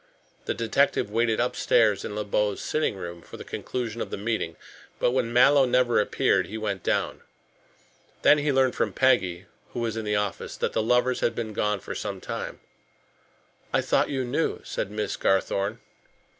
The detective waited upstairs in Le Beau's sitting room for the conclusion of the meeting, but when Mallow never appeared he went down. Then he learned from Peggy, who was in the office, that the lovers had been gone for some time "I thought you knew," said Miss Garthorne.